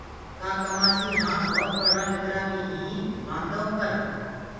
ڪآ ڪمآسيٚ هآن ڀوت پڙهرآ لکرآ بيٚ هينٚ مآندآئو پر